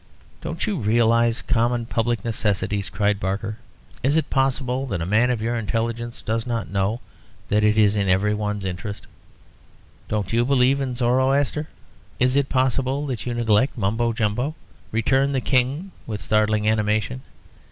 "Don't you realise common public necessities?" cried Barker. "Is it possible that a man of your intelligence does not know that it is every one's interest " "Don't you believe in Zoroaster? Is it possible that you neglect Mumbo Jumbo?" returned the King, with startling animation.